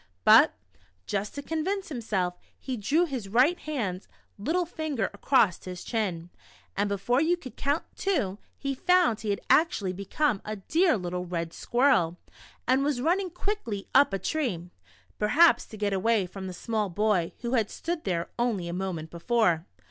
But, just to convince himself, he drew his right hand little finger across his chin, and before you could count two, he found he had actually become a dear little red squirrel, and was running quickly up a tree ! (Perhaps to get away from the small boy, who had stood there, only a moment before.